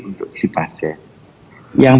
untuk si pasien yang